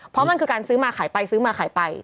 เพราะมันคือการซื้อมาขายไปซื้อมาขายไป